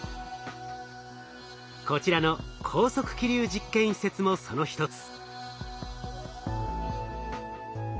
こちらの高速気流実験施設もその一つ。